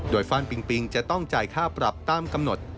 โดยฟ่านปิงปิงจะต้องจ่ายค่าปรับตามกำหนด